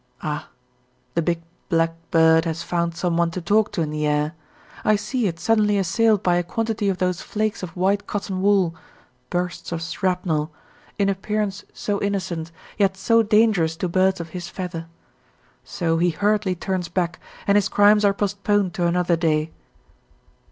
Ah! the big black bird has found someone to talk to in the air. I see it suddenly assailed by a quantity of those flakes of white cotton wool (bursts of shrapnel), in appearance so innocent, yet so dangerous to birds of his feather. So he hurriedly turns back, and his crimes are postponed to another day.